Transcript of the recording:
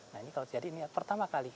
nah ini kalau jadi ini pertama kali